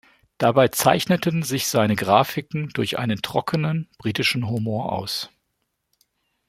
Dabei zeichneten sich seine Grafiken durch einen trockenen, britischen Humor aus.